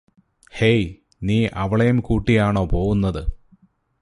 hey നീ അവളേം കൂട്ടിയാണോ പോവുന്നത്